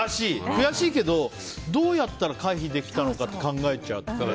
悔しいけどどうやったら回避できたのか考えちゃう。